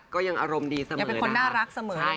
ก็ยังอารมณ์ดีเสมอนะคะใช่นะคะยังเป็นคนน่ารักเสมอ